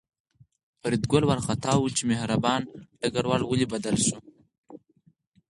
فریدګل وارخطا و چې مهربان ډګروال ولې بدل شو